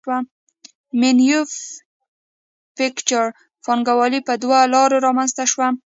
مینوفکچور پانګوالي په دوو لارو رامنځته شوه